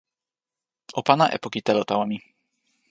o pana e poki telo tawa mi.